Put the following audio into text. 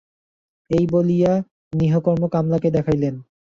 এই বলিয়া ক্ষেমংকরী তাঁহার ক্ষুদ্র ঘরকন্নার সমস্ত নেপথ্যগৃহ কমলাকে দেখাইলেন।